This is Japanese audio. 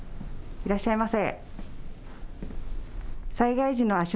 いらっしゃいませ。